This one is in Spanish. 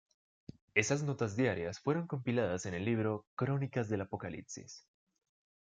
Esas notas diarias fueron compiladas en el libro "Crónicas del Apocalipsis".